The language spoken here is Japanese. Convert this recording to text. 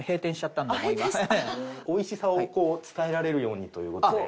おいしさを伝えられるようにという事で。